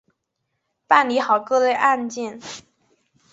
办理好各类案件